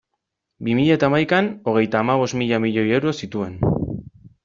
Bi mila eta hamaikan, hogeita hamabost mila milioi euro zituen.